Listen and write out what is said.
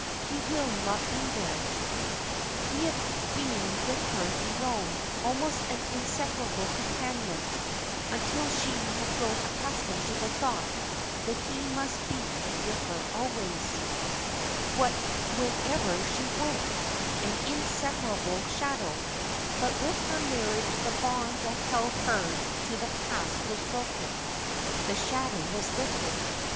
"He will not be there." He had been with her in Rome, almost an inseparable companion, until she had grown accustomed to the thought that he must be with her always, wherever she went, an inseparable shadow; but with her marriage the bond that held her to the past was broken, the shadow was lifted.